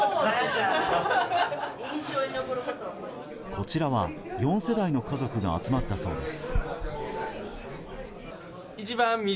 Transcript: こちらは４世代の家族が集まったそうです。